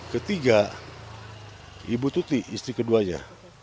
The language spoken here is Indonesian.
ketiga ibu tuti istri keduanya